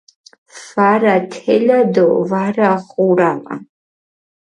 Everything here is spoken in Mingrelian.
ვარა თელა დო ვარა ღურავა